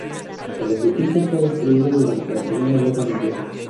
El edificio fue destruido durante la Segunda Guerra Mundial.